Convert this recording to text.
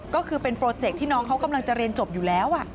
ก็คือเป็นโปรเจคที่น้องเขากำลังจะเรียนจบอยู่แล้ว